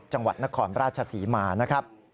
จังหวัดนครราชศรีมา